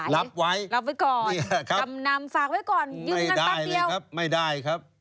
นับไว้กำนำฝากไว้ก่อนยืมวกันตั้งเดียวไม่ได้เลยครับ